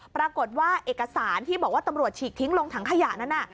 ปรากฏว่าเอกสารที่บอกว่าตำรวจฉีกทิ้งลงถังขยะนั้นน่ะ